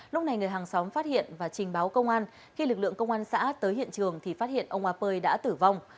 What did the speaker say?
lúc này người hàng xóm phát hiện và trình báo công an khi lực lượng công an xã tới hiện trường thì phát hiện ông a pơi đã tử vong